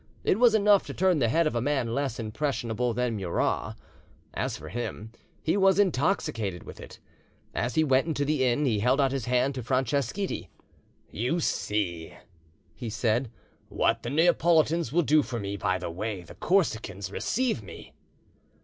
It was enough to turn the head of a man less impressionable than Murat; as for him, he was intoxicated with it. As he went into the inn he held out his hand to Franceschetti. "You see," he said, "what the Neapolitans will do for me by the way the Corsicans receive me."